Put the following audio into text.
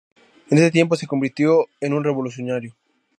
En ese tiempo, se convirtió en un revolucionario.